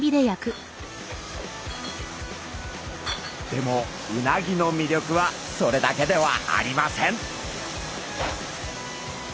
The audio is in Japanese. でもうなぎのみりょくはそれだけではありません。